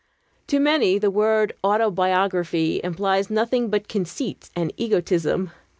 To many, the word "autobiography" implies nothing but conceit and egotism.